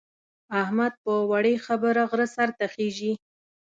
احمد په وړې خبره غره سر ته خېژي.